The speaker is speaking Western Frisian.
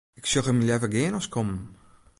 Ik sjoch him leaver gean as kommen.